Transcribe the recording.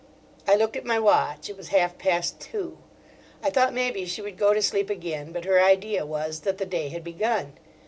I looked at my watch; it was half past two. I thought maybe she would go to sleep again, but her idea was that the day had begun.